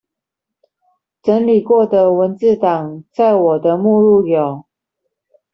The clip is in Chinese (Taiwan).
整理過的文字檔在我的目錄有